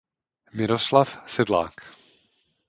Miroslav Sedlák.